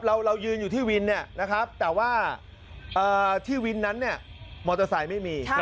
เรายืนอยู่ที่วินเนี่ยนะครับแต่ว่าที่วินนั้นเนี่ยมอเตอร์ไซค์ไม่มี